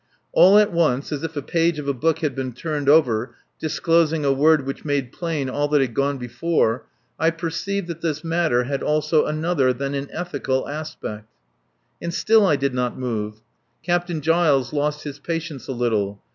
All at once, as if a page of a book had been turned over disclosing a word which made plain all that had gone before, I perceived that this matter had also another than an ethical aspect. And still I did not move. Captain Giles lost his patience a little.